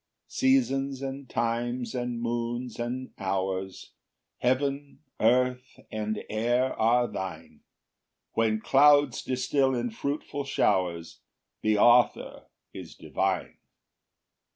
3 Seasons and times, and moons and hours, Heaven, earth, and air are thine; When clouds distil in fruitful showers, The author is divine.